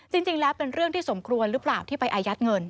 จริงแล้วเป็นเรื่องที่สมควรหรือเปล่าที่ไปอายัดเงิน